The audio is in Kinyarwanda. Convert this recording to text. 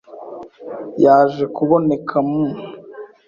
yaje kuboneka mu